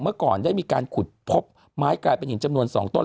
เมื่อก่อนได้มีการขุดพบไม้กลายเป็นหินจำนวน๒ต้น